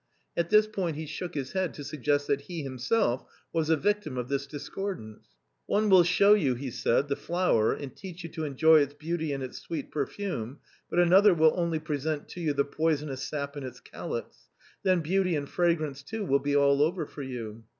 At this point he shook his head to suggest that he himself was a victim of this discordance. " One will show you," he said, " the flower and teach you to enjoy its beauty and its sweet perfume, but another will only present to you the poisonous sap in its calyx, then beauty and fragrance too will be all over for you